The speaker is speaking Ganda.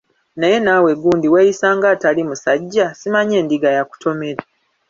Naye naawe gundi weeyisa ng'atali musajja, simanyi endiga yakutomera?